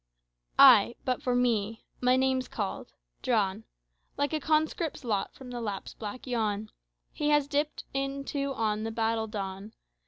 "Ay, but for me my name called drawn Like a conscript's lot from the lap's black yawn He has dipped into on the battle dawn.